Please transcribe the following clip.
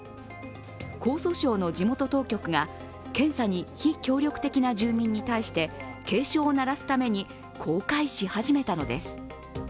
江蘇省の地元当局が検査に非協力的な住民に対して警鐘を鳴らすために公開し始めたのです。